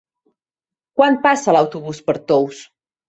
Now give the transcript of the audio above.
Quan passa l'autobús per Tous?